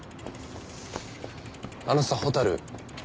あのさ蛍。